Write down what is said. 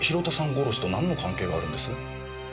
殺しとなんの関係があるんです？